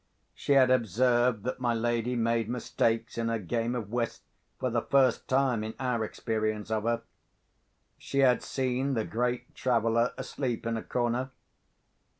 She had observed that my lady made mistakes in her game of whist for the first time in our experience of her. She had seen the great traveller asleep in a corner.